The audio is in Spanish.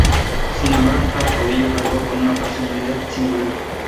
Sin embargo, cada caudillo cargó con una personalidad singular.